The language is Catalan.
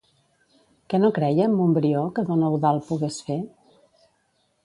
Què no creia en Montbrió que don Eudald pogués fer?